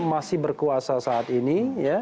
masih berkuasa saat ini